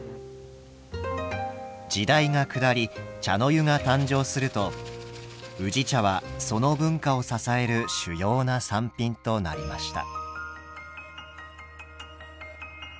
時代が下り茶の湯が誕生すると宇治茶はその文化を支える主要な産品となりました。